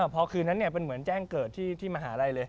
พอคืนนั้นเป็นเหมือนแจ้งเกิดที่มหาลัยเลย